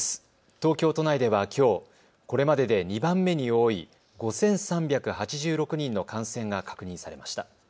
東京都内ではきょう、これまでで２番目に多い５３８６人の感染が確認されました。